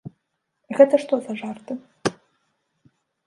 Гэта што за жарты?